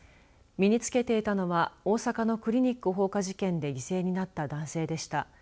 身につけていたのは大阪のクリニック放火事件で犠牲になった男性でした。